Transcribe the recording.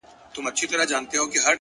سالم فکر سالم ژوند جوړوي’